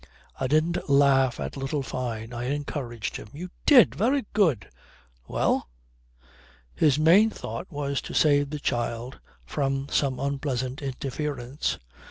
I didn't laugh at little Fyne. I encouraged him: "You did! very good ... Well?" His main thought was to save the child from some unpleasant interference.